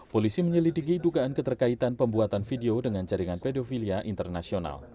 polisi menyelidiki dugaan keterkaitan pembuatan video dengan jaringan pedofilia internasional